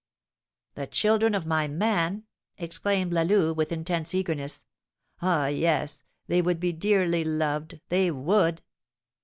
"The children of my man!" exclaimed La Louve, with intense eagerness. "Ah, yes! They would be dearly loved, they would!"